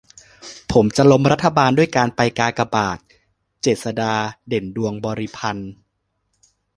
"ผมจะล้มรัฐบาลด้วยการไปกากบาท" - เจษฎา เด่นดวงบริพันธ์